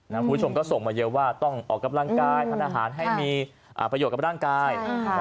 คุณผู้ชมก็ส่งมาเยอะว่าต้องออกกำลังกายทานอาหารให้มีประโยชน์กับร่างกาย